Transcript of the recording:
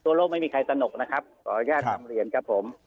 ตัวโลกไม่มีใครสะดอกนะครับก็อย่างเรียนนะครับผม